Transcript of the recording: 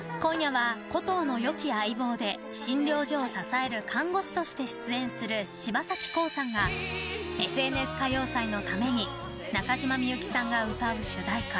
今夜はコト−の良き相棒で診療所を支える看護師として出演する柴咲コウさんが「ＦＮＳ歌謡祭」のために中島みゆきさんが歌う主題歌